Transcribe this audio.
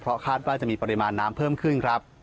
เพราะคาดว่าเทิวมีปริมาณน้ำเพิ่มขึ้น